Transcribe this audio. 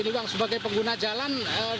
iya lah berapa puluh tahun